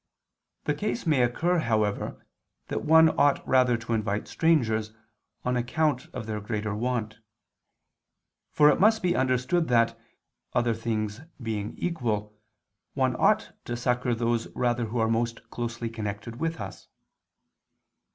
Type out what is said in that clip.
The case may occur, however, that one ought rather to invite strangers, on account of their greater want. For it must be understood that, other things being equal, one ought to succor those rather who are most closely connected with us.